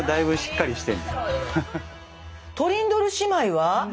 トリンドル姉妹は？